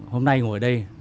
hôm nay ngồi ở đây